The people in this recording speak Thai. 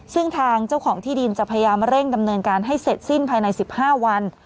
ซึ่งทางเจ้าของที่ดินจะพยายามเร่งดำเนินการให้เสร็จสิ้นภายใน๑๕วัน